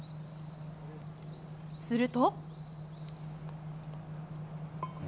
すると。